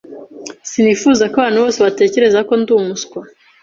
sinifuza ko abantu bose batekereza ko ndi umuswa.